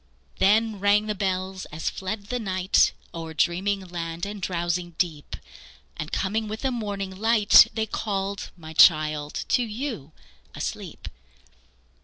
Then rang the bells as fled the night O'er dreaming land and drowsing deep, And coming with the morning light, They called, my child, to you asleep.